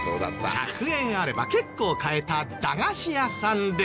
１００円あれば結構買えた駄菓子屋さんで。